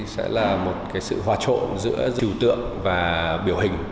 sẽ là một sự hòa trộn giữa tượng và biểu hình